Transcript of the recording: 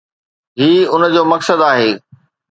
هي ان جو مقصد آهي